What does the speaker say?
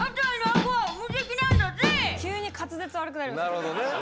なるほどね。